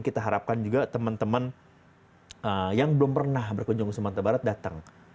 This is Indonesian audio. kita harapkan juga teman teman yang belum pernah berkunjung ke sumatera barat datang